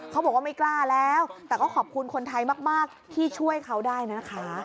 เขาบอกว่าไม่กล้าแล้วแต่ก็ขอบคุณคนไทยมากที่ช่วยเขาได้นะคะ